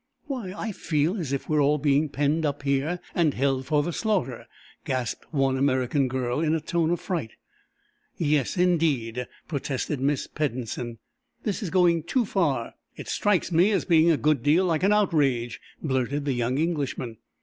"Why, I feel as if we were all being penned up here and held for the slaughter," gasped one American girl, in a tone of fright. "Yes, indeed!" protested Miss Peddensen. "This is going too far." "It strikes me as being a good deal like an outrage," blurted the young Englishman.